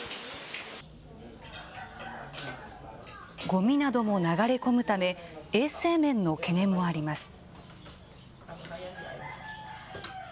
ごみなども流れ込むため、衛生面の懸念もあります。